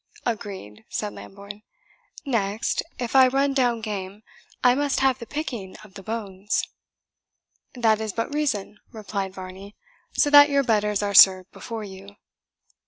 "Agreed," said Lambourne. "Next, if I run down game, I must have the picking of the bones." "That is but reason," replied Varney, "so that your betters are served before you."